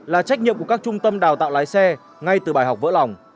là trách nhiệm của các trung tâm đào tạo lái xe ngay từ bài học vỡ lòng